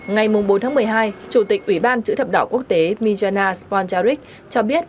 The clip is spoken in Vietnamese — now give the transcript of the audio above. ngày bốn một mươi hai chủ tịch ủy ban chữ thập đảo quốc tế mijana sponjaric cho biết